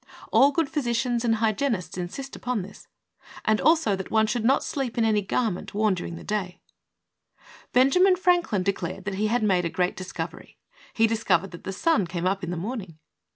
All good physicians and hygienists insist upon this, and also that one should not sleep in any garment worn during the day. HEALTH. 73 Benjamin Franklin declared that he had made a great discovery. He discovered that the sun came up in the morning.